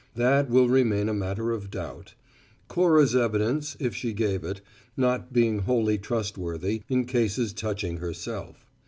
That will remain a matter of doubt; Cora's evidence, if she gave it, not being wholly trustworthy in cases touching herself.